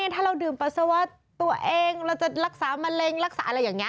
ถ้าเราดื่มปัสสาวะตัวเองเราจะรักษามะเร็งรักษาอะไรอย่างนี้